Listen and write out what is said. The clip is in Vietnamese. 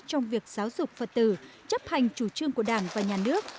trong việc giáo dục phật tử chấp hành chủ trương của đảng và nhà nước